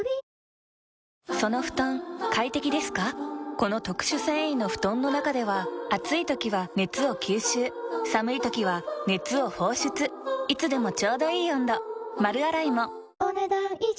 この特殊繊維の布団の中では暑い時は熱を吸収寒い時は熱を放出いつでもちょうどいい温度丸洗いもお、ねだん以上。